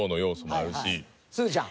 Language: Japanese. すずちゃん。